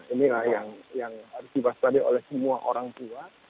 inilah yang harus dibahas tadi oleh semua orang tua